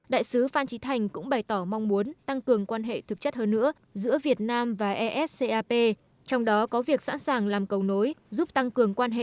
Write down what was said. đại sứ đại diện thường trực của việt nam tại s cap phan trí thành khẳng định